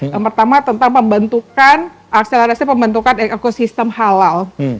yang pertama tentang pembentukan akselerasi pembentukan ekosistem halal